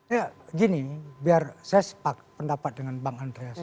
ya gini biar saya sepak pendapat dengan bang andreas